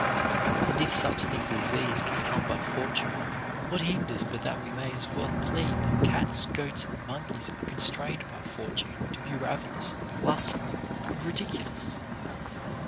And if such things as these can come by Fortune, what hinders but that we may as well plead that cats, goats, and monkeys are con strained by Fortune to be ravenous, lustful, and ridicu lous